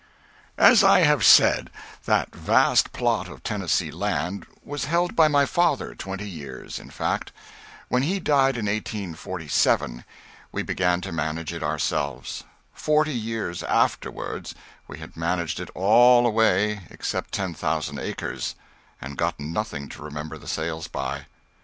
As I have said, that vast plot of Tennessee land was held by my father twenty years intact. When he died in 1847, we began to manage it ourselves. Forty years afterward, we had managed it all away except 10,000 acres, and gotten nothing to remember the sales by.